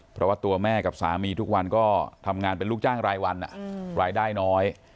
เพราะว่าตัวแม่กับสามีทุกวันก็ทำงานเป็นลูกจ้างรายวันรายได้น้อย